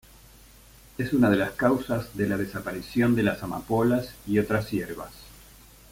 Es una de las causas de la desaparición de las amapolas y otras hierbas.